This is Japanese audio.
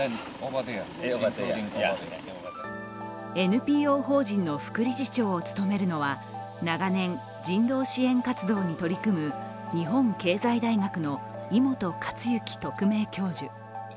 ＮＰＯ法人の副理事長を務めるのは、長年、人道支援活動に取り組む日本経済大学の井本勝幸特命教授。